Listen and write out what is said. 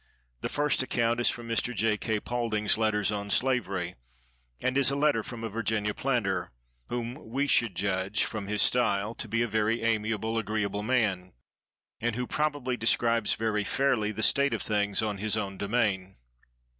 The first account is from Mr. J. K. Paulding's Letters on Slavery; and is a letter from a Virginia planter, whom we should judge, from his style, to be a very amiable, agreeable man, and who probably describes very fairly the state of things on his own domain.